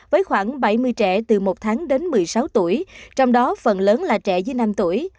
với khoảng bảy mươi trẻ từ một tháng đến một mươi sáu tuổi trong đó phần lớn là trẻ dưới năm tuổi